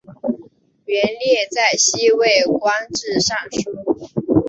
元烈在西魏官至尚书。